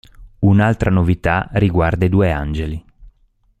Un'altra novità riguarda i due angeli.